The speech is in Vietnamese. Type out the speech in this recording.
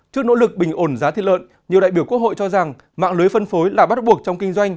trước nỗ lực bình ổn giá thịt lợn nhiều đại biểu quốc hội cho rằng mạng lưới phân phối là bắt buộc trong kinh doanh